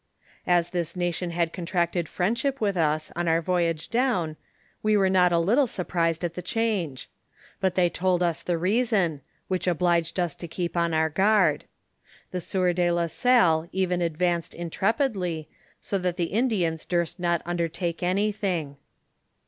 As this nation had contracted friendship with us on our voyage down, we were not a little surprised at the change ; but they told us the reason, which obliged us to keep on our guard. The sieur de la Salle even advanced intrepidly, so that the Indians durst not undertake anything.